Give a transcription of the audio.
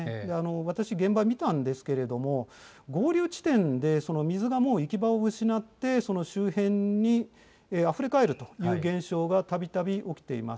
私、現場見たんですけれども、合流地点で水がもう行き場を失って、周辺にあふれかえるという現象がたびたび起きています。